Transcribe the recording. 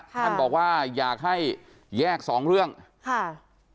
ท่านบอกว่าอยากให้แยกสองเรื่องค่ะ